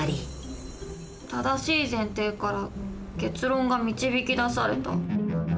正しい前提から結論が導き出された。